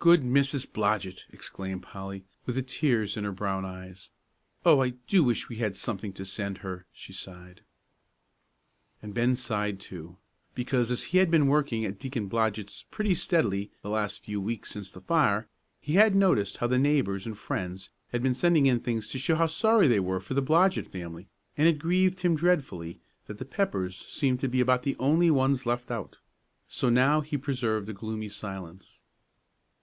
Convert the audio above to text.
"Good Mrs. Blodgett!" exclaimed Polly, with the tears in her brown eyes. "Oh, I do wish we had something to send her!" she sighed. And Ben sighed too. Because, as he had been working at Deacon Blodgett's pretty steadily the last few weeks since the fire, he had noticed how the neighbors and friends had been sending in things to show how sorry they were for the Blodgett family, and it grieved him dreadfully that the Peppers seemed to be about the only ones left out. So now he preserved a gloomy silence.